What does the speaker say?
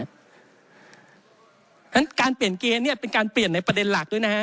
ฉะนั้นการเปลี่ยนเกณฑ์เป็นการเปลี่ยนในประเด็นหลักด้วย